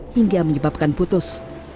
hingga menyebabkan putus